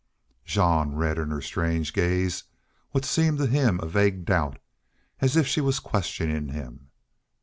Jean read in her strange gaze what seemed to him a vague doubt, as if she was questioning him.